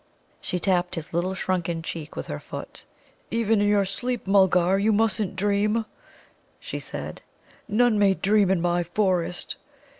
She tapped his little shrunken cheek with her foot. "Even in your sleep, Mulgar, you mustn't dream," she said. "None may dream in my forest."